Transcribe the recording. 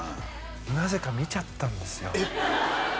なぜか見ちゃったんですよえっ？